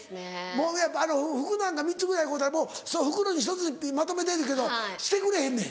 もうやっぱ服なんか３つぐらい買うたら「袋に１つにまとめて」って言うけどしてくれへんねん。